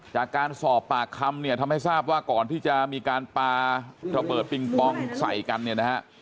จากการสอบปากคำเนี่ยทำให้ทราบว่าก่อนที่จะมีการปาระเบิดปิงปองใส่กันเนี่ยนะฮะ